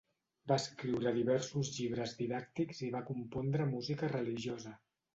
Va escriure diversos llibres didàctics i va compondre música religiosa.